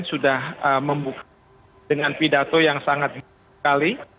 sudah membuka dengan pidato yang sangat sekali